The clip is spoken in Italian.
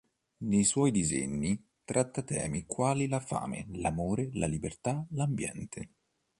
Nei suoi disegni tratta temi quali la fame, l'amore, la libertà, l'ambiente.